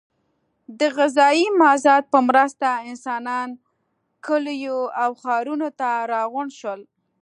د غذایي مازاد په مرسته انسانان کلیو او ښارونو ته راغونډ شول.